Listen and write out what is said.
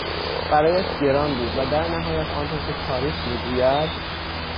برایش گران بود و در نهایت آنطور که تاریخ می گوید،